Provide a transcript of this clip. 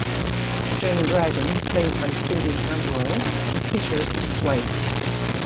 Jane Dragon, played by Cindy Ambuehl, is Peter's ex-wife.